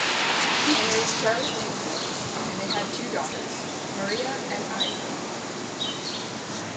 He married Charlotte Duport, and they had two daughters, Maria and Iza.